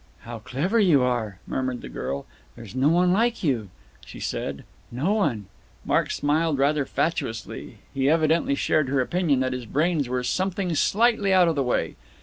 "How clever you are," murmured the girl. "There's no one like you," she said, "no one." Mark smiled rather fatuously. He evidently shared her opinion that his brains were something slightly out of the way.